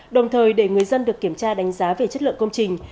đồng thời để người dân được kiểm tra đánh giá về chất lượng công trình